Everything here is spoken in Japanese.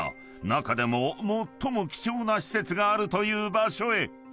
［中でも最も貴重な施設があるという場所へ］